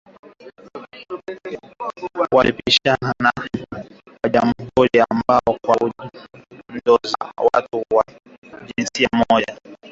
Walipishana na wa-jamhuri ambao kwa ujumla walimshinikiza Jackson, juu ya mada kuanzia ndoa za watu wa jinsia moja.